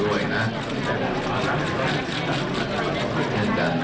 ขอบคุณมาก